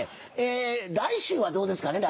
来週はどうですかね？